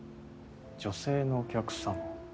女性のお客様。